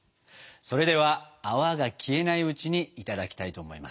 それでは泡が消えないうちにいただきたいと思います。